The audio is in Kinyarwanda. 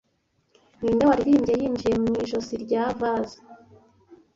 ninde waririmbye yinjiye mu ijosi rya vase